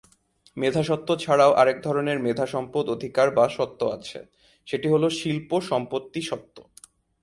মেধাস্বত্ব ছাড়াও আরেক ধরনের মেধা সম্পদ অধিকার বা স্বত্ব আছে, সেটি হল শিল্প সম্পত্তি স্বত্ব।